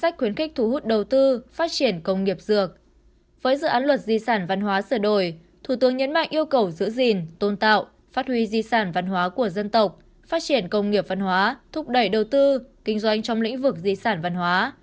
phát triển công nghiệp văn hóa thúc đẩy đầu tư kinh doanh trong lĩnh vực di sản văn hóa